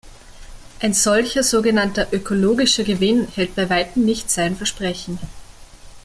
Ein solcher sogenannter "ökologischer Gewinn" hält bei weitem nicht sein Versprechen.